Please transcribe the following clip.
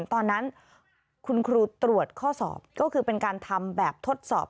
ตอนนั้นคุณครูตรวจข้อสอบก็คือเป็นการทำแบบทดสอบ